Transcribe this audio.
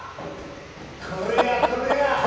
これやこれや。